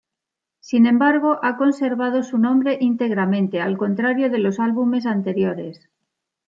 Sin embargo, ha conservado su nombre íntegramente, al contrario de los álbumes anteriores.